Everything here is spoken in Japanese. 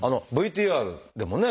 ＶＴＲでもね